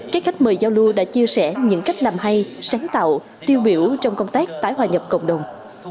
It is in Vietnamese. các khách mời giao lưu đã chia sẻ những cách làm hay sáng tạo tiêu biểu trong công tác tái hòa nhập cộng đồng